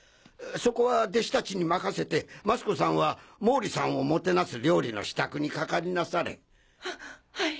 そこは弟子達に任せて益子さんは毛利さんをもてなす料理の支度にかかりなされ。ははい。